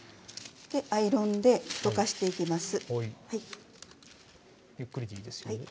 アイロンで溶かしていきます。